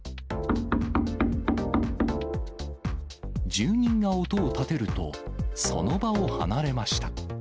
住人が音を立てると、その場を離れました。